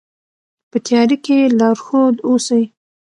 په تیاره کې لارښود اوسئ.